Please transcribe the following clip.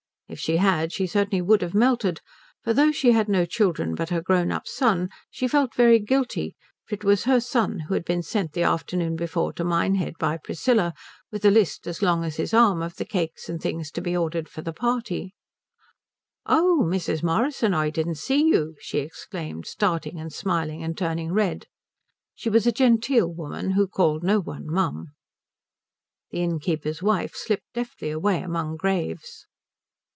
If she had she certainly would have melted, for though she had no children but her grown up son she felt very guilty; for it was her son who had been sent the afternoon before to Minehead by Priscilla with a list as long as his arm of the cakes and things to be ordered for the party. "Oh Mrs. Morrison, I didn't see you," she exclaimed, starting and smiling and turning red. She was a genteel woman who called no one mum. The innkeeper's wife slipped deftly away among graves.